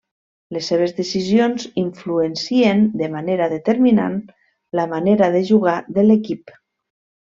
Les seves decisions influencien de manera determinant la manera de jugar de l'equip.